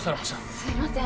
すいません